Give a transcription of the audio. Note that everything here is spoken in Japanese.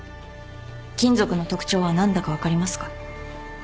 金属の特徴は何だか分かりますか？